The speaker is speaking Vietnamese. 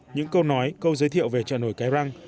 những câu nói câu giới thiệu về trợ nổi cái răng